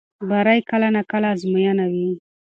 بری کله ناکله ازموینه وي.